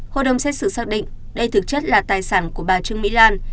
hội đồng xét xử xác định đây thực chất là tài sản của bà trương mỹ lan